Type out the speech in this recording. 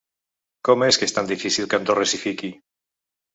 Com és que és tan difícil que Andorra s’hi fiqui?